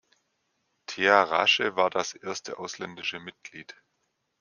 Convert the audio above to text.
Thea Rasche war das erste ausländische Mitglied.